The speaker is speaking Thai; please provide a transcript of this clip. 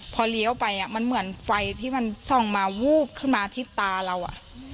พอเลี้ยวไปอ่ะมันเหมือนไฟที่มันส่องมาวูบขึ้นมาที่ตาเราอ่ะ